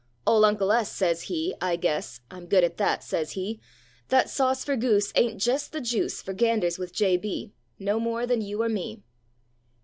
Ole Uncle S., sez he, "I guess (I'm good at thet)," sez he, "Thet sauce for goose ain't jest the juice For ganders with J. B., No more than you or me."